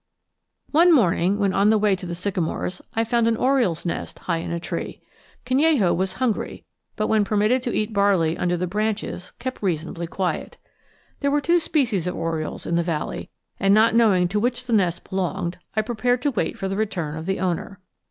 One morning, when on the way to the sycamores, I found an oriole's nest high in a tree. Canello was hungry, but when permitted to eat barley under the branches kept reasonably quiet. There were two species of orioles in the valley; and not knowing to which the nest belonged, I prepared to wait for the return of the owner.